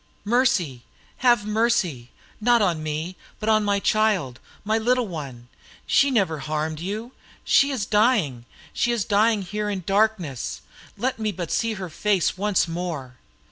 "Mercy, have mercy! not on me, but on my child, my little one; she never harmed you. She is dying she is dying here in darkness; let me but see her face once more.